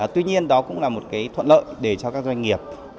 tuy nhiên đó cũng là một thuận lợi để cho các doanh nghiệp